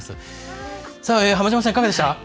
浜島さん、いかがでしたか？